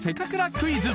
クイズ